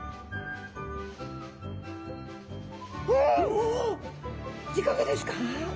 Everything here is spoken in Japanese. おおいかがですか？